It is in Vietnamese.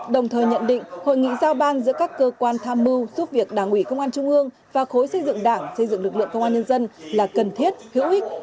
đồng thời nhận định hội nghị giao ban giữa các cơ quan tham mưu giúp việc đảng ủy công an trung ương và khối xây dựng đảng xây dựng lực lượng công an nhân dân là cần thiết hữu ích